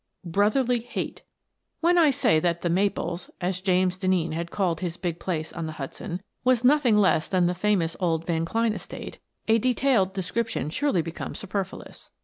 BROTHERLY HATE When I say that "The Maples" — as James Denneen had called his big place on the Hudson — was nothing less than the famous old Vanklein estate, a detailed description surely becomes super fluous.